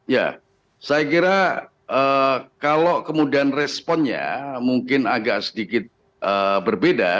ya saya kira kalau kemudian responnya mungkin agak sedikit berbeda